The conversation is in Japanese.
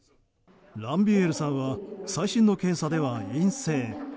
ランビエールさんは最新の検査では陰性。